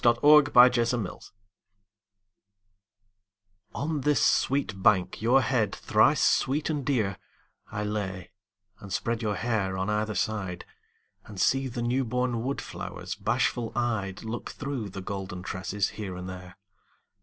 YOUTH'S SPRING TRIBUTE On this sweet bank your head thrice sweet and dear I lay, and spread your hair on either side, And see the newborn wood flowers bashful eyed Look through the golden tresses here and there.